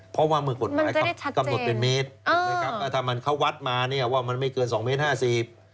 เพราะว่ามันกรณ์กำหนดเป็นเมตรถ้าเขาวัดมาเนี่ยมันไม่เกิน๒เมตร๕๐